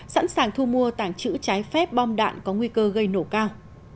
sẵn sàng thu mua tàng trữ trái phép bom đạn có nguy cơ gây nổ cao